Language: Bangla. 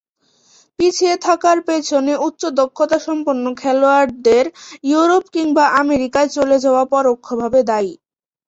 পিছিয়ে থাকার পেছনে উচ্চ দক্ষতা সম্পন্ন খেলোয়াড়দের ইউরোপ কিংবা আমেরিকায় চলে যাওয়া পরোক্ষভাবে দায়ী।